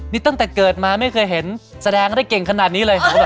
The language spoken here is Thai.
นี้ตั้งแต่เกิดไม่เคยแสดงได้เก่งขนาดนี้เท่านี้